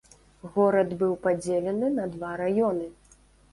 Горад быў падзелены на два раёны.